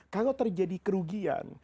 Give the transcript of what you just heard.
kalau terjadi kerugian